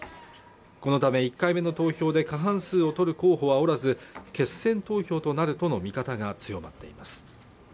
このため１回目の投票で過半数を取る候補はおらず決選投票となるとの見方が強まっています